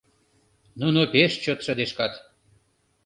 Нуно пеш чот шыдешкат...